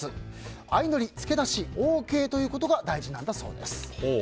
相乗り・付け足しＯＫということが大事なんだそうです。